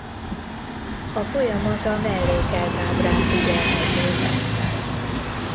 A folyamat a mellékelt ábrán figyelhető meg.